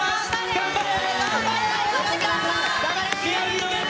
頑張れ！